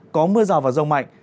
có mưa rào và rồng mạnh